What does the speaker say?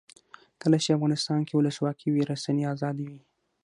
کله چې افغانستان کې ولسواکي وي رسنۍ آزادې وي.